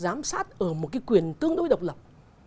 giám sát ở một cái quyền tương đối độc lập